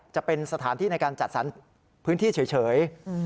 จะเป็นสถานที่ในการจัดสรรพื้นที่เฉย